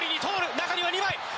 中には２枚。